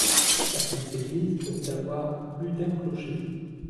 Certaines églises peuvent avoir plus d'un clocher.